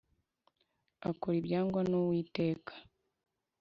Akora ibyangwa n uwiteka